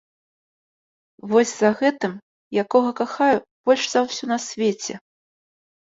Вось за гэтым, якога кахаю больш за ўсё на свеце.